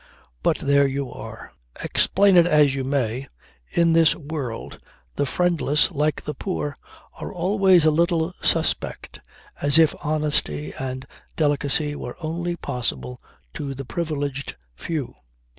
But there you are! Explain it as you may, in this world the friendless, like the poor, are always a little suspect, as if honesty and delicacy were only possible to the privileged few.